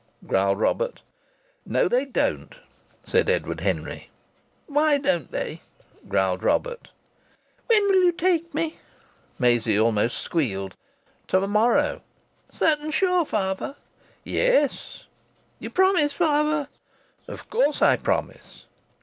growled Robert. "No, they don't," said Edward Henry. "Why don't they?" growled Robert. "When will you take me?" Maisie almost squealed. "To morrow." "Certain sure, fahver?" "Yes." "You promise, fahver?" "Of course I promise."